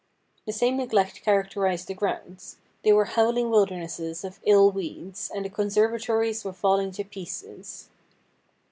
The same neglect characterised the grounds. They were howling wilder nesses of ill weeds, and the conservatories were falling to pieces.